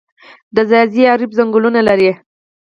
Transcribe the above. د ځاځي اریوب ځنګلونه لري